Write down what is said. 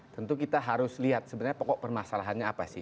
tentu kita harus lihat sebenarnya pokok permasalahannya apa sih